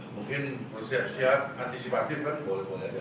mungkin persiap persiap antisipatif kan boleh boleh saja